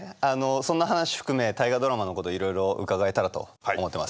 そんな話含め「大河ドラマ」のこといろいろ伺えたらと思ってます。